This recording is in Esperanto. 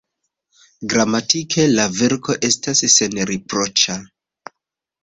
Gramatike la verko estas senriproĉa.